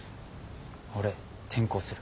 俺転校する。